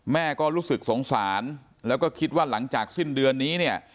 แม่ก็รู้สึกสงสารแล้วก็คิดว่าหลังจากสิ้นเดือนนี้เนี่ย